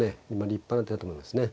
立派な手だと思いますね。